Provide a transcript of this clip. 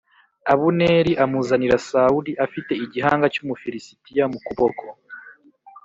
Abuneri amuzanira Sawuli afite igihanga cy’Umufilisitiya mu kuboko.